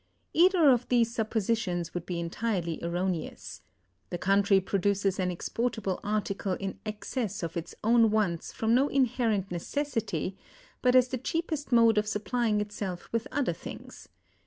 Either of these suppositions would be entirely erroneous. The country produces an exportable article in excess of its own wants from no inherent necessity, but as the cheapest mode of supplying itself with other things.